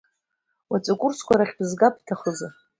Уаҵәы акурсқәа рахь бызгап бҭахызар?